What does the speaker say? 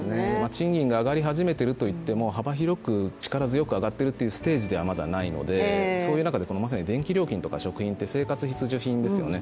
賃金が上がり始めているといっても幅広く力強く上がっているというステージではまだないのでそういう中で電気料金とか食品とかって生活必需品ですよね。